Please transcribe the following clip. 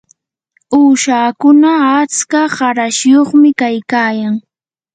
uushakuna atska qarashyuqmi kaykayan.